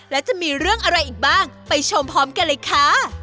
และจะมีเรื่องอะไรอีกบ้างไปชมพร้อมกันเลยค่ะ